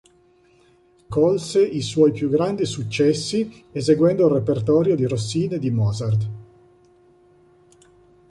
Colse i suoi più grandi successi eseguendo il repertorio di Rossini e di Mozart.